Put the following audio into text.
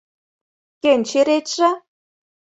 Кӧн черетше?